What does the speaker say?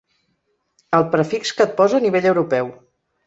El prefix que et posa a nivell europeu.